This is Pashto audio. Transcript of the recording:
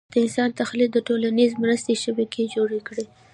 د انسان تخیل د ټولیزې مرستې شبکې جوړې کړې.